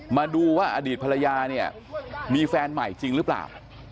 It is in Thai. มาดูว่าอดีตภรรยาเนี่ยมีแฟนใหม่จริงหรือเปล่า